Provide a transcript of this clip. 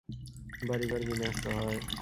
বাড়িঘর বিনষ্ট হয়।